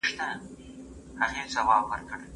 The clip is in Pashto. هغه څوک چي قلمان پاکوي منظم وي.